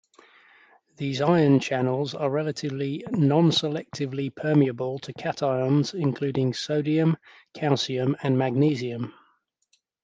These ion channels are relatively non-selectively permeable to cations, including sodium, calcium and magnesium.